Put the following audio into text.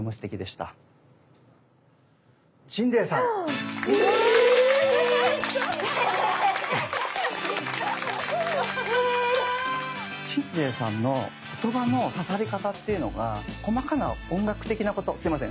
鎮西さん！え⁉え⁉鎮西さんの言葉の刺さり方っていうのが細かな音楽的なことすみません